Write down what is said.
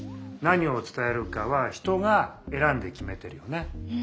何を伝えるかは人が選んで決めてるよね。